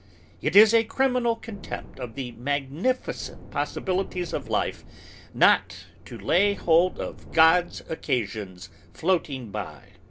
It is a criminal contempt of the magnificent possibilities of life not to lay hold of "God's occasions floating by."